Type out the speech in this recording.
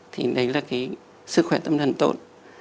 thì đấy là cái sức khỏe tâm thần tốt